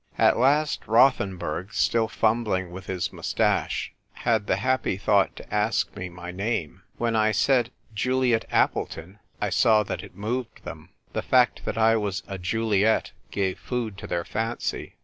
At last Rothenburg, still fumbling with his moustache, had the happy thought to ask me 62 THE TYrE WRITEU GIRL. my name. When I said "Juliet Appleton " I saw that it moved them. The fact that I was a Juliet gave food to their fancy.